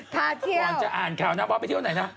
พาเที่ยวก่อนจะอ่านแข่วน้ำว่าไปเที่ยวไหนนะ